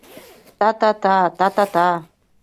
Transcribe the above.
Та-та-та, та-та-та!